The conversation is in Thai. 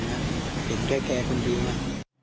ไม่นะเป็นแค่แก่คนดีมาก